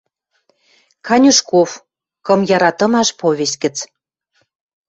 Канюшков, «Кым яратымаш» повесть гӹц.